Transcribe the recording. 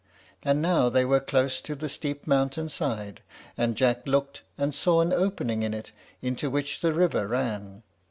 And now they were close to the steep mountain side; and Jack looked and saw an opening in it, into which the river ran.